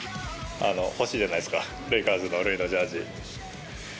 すると試合後、欲しいじゃないですか、レイカーズの塁のジャージ。